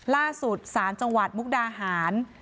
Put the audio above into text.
ล่าสุดศาลจังหวัดมุกดาหาร